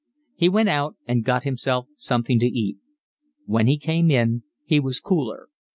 He went out and got himself something to eat. When he came in he was cooler.